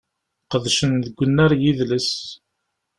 Qedcen deg unnar n yidles.